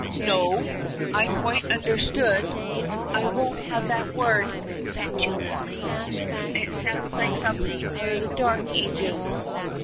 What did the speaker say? "No? I quite understood " "I won't have that word," petulantly. "It sounds like something out of the dark ages."